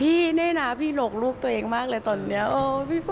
แน่นะพี่หลงลูกตัวเองมากเลยตอนนี้